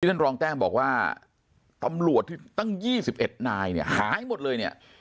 ท่านรองแต้มบอกว่าตำรวจที่ตั้ง๒๑นายเนี่ยหายหมดเลยเนี่ย